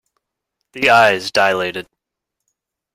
The eyes dilated.